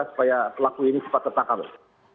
supaya pelaku ini cepat tertangkap